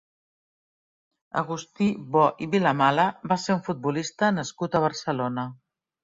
Agustí Bó i Vilamala va ser un futbolista nascut a Barcelona.